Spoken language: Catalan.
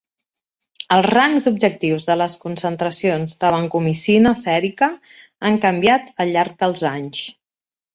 Els rangs objectius de les concentracions de vancomicina sèrica han canviat al llarg dels anys.